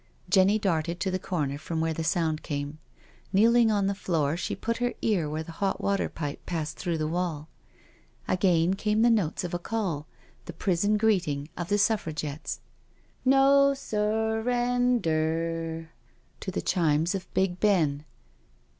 Jenny darted to the corner from where the sound came. Kneeling on the floor she put her ear where the hot water pipe passed through the wall. Again came the notes of a call, the prison greeting of the Suffragettes :" No sur ren der/' to the chimes of Big Ben.